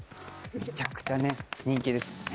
めちゃくちゃね人気ですもんね。